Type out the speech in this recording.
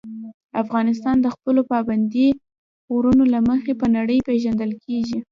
افغانستان د خپلو پابندي غرونو له مخې په نړۍ پېژندل کېږي.